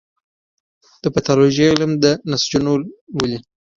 د پیتالوژي علم د نسجونه لولي.